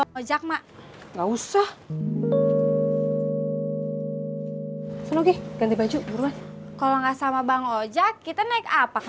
mojak mak harus hot peace ini delapan belas g ganti baju buruan kalau nggak sama bang ojak kita naik apa ke